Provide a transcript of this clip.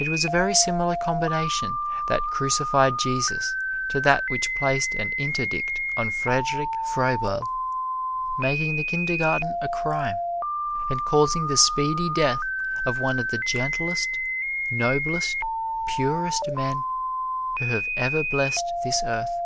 It was a very similar combination that crucified Jesus to that which placed an interdict on Friedrich Froebel, making the Kindergarten a crime, and causing the speedy death of one of the gentlest, noblest, purest men who have ever blessed this earth.